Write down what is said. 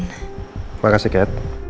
terima kasih kat